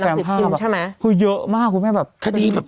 เขาเยอะมากคุณแม่แบบเป็นตั้งเลยคุณแม่แบบคดีแบบ